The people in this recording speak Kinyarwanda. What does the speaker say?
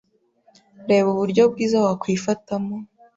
Reba uburyo bwiza wakwifatamo